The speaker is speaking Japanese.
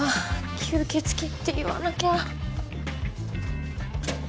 吸血鬼って言わなきゃ。